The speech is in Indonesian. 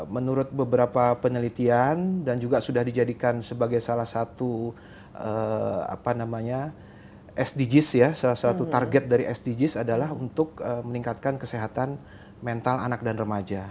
menurut beberapa penelitian dan juga sudah dijadikan sebagai salah satu sdgs ya salah satu target dari sdgs adalah untuk meningkatkan kesehatan mental anak dan remaja